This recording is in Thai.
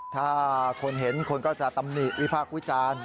ถ้าคนเห็นคนก็จะตำหนิวิพากษ์วิจารณ์